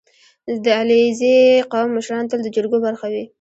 • د علیزي قوم مشران تل د جرګو برخه وي.